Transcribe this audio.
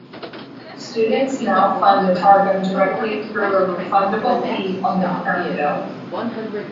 Students now fund the Targum directly through a refundable fee on their term bills.